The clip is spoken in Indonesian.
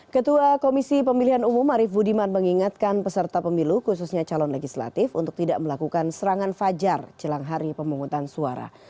ketua komisi pemilihan umum arief budiman mengingatkan peserta pemilu khususnya calon legislatif untuk tidak melakukan serangan fajar jelang hari pemungutan suara